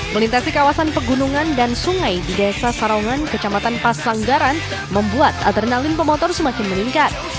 melintasi kawasan pegunungan dan sungai di desa sarongan kecamatan pasanggaran membuat adrenalin pemotor semakin meningkat